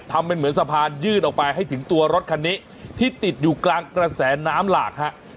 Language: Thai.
ทำเป็นเหมือนสะพานยื่นออกไปให้ถึงตัวรถคันนี้ที่ติดอยู่กลางกระแสน้ำหลากฮะ